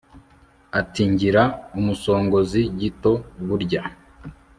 ati ngira umusongozi gito burya